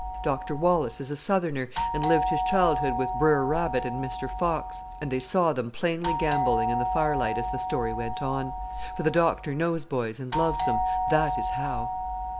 Dr. Wallace is a Southerner and lived his childhood with Br'er Rabbit and Mr. Fox, and they saw them plainly gamboling in the firelight as the story went on. For the doctor knows boys and loves them, that is how.